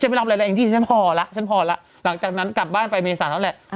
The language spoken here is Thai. ฉันจะไม่รับอะไรแล้วเองจิฉันพอล่ะฉันพอล่ะหลังจากนั้นกลับบ้านไปเมษาแล้วแหละ